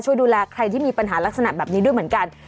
ช่วยดูแลใครที่มีปัญหาลักษณะแบบนี้ด้วยเหมือนกัน